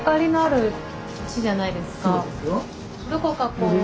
そうですよ。